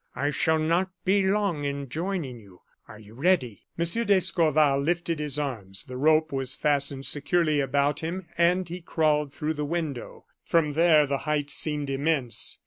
I shall not be long in joining you. Are you ready?" M. d'Escorval lifted his arms, the rope was fastened securely about him, and he crawled through the window. From there the height seemed immense.